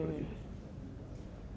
haus dengan kekuasaan seperti itu